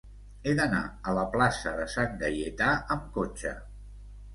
He d'anar a la plaça de Sant Gaietà amb cotxe.